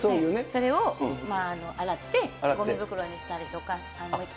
それを洗ってごみ袋にしたりとか。